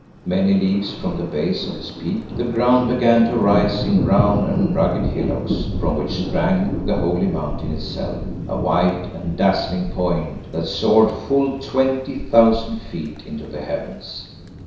Many leagues from the base of its peak the ground began to rise in brown and rugged hillocks, from which sprang the holy Mountain itself, a white and dazzling point that soared full twenty thousand feet into the heavens.